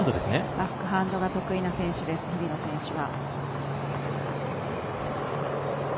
バックハンドが得意な選手です、日比野選手は。